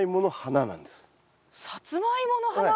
サツマイモの花？